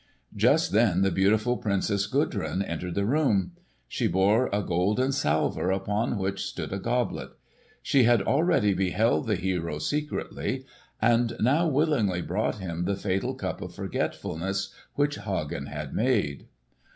Just then the beautiful Princess Gudrun entered the room. She bore a golden salver, upon which stood a goblet. She had already beheld the hero secretly, and now willingly brought him the fatal cup of forgetfulness which Hagen had made.